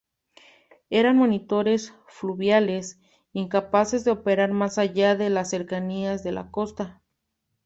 Eran monitores fluviales, incapaces de operar más allá de las cercanías de la costa.